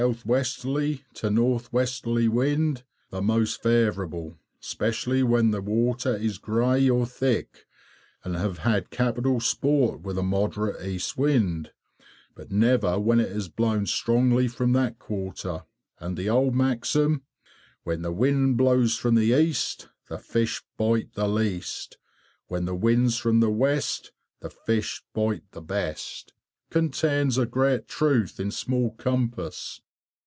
W. to N.W. wind the most favourable, especially when the water is "grey" or thick, and have had capital sport with a moderate east wind, but never when it has blown strongly from that quarter, and the old maxim "When the wind blows from the east The fish bite the least, When the wind's from the west The fish bite the best," contains a great truth in small compass.